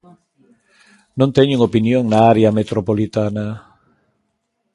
Non teñen opinión na área metropolitana.